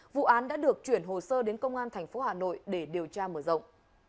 vụ án đã được chuyển hồ sơ đến công an thành phố hà nội để điều tra mở rộng